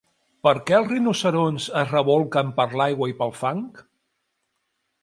Per què els rinoceronts es rebolquen per l'aigua i pel fang?